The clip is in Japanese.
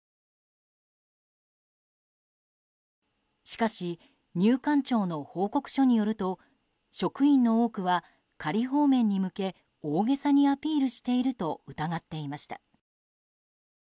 しかし、入管庁の報告書によると職員の多くは、仮放免に向け大げさにアピールしていると疑っていました。